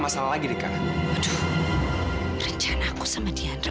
mita kabur kok bisa